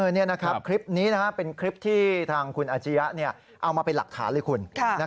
นี่นะครับคลิปนี้เป็นคลิปที่ทางคุณอาชียะเอามาเป็นหลักฐานเลยคุณ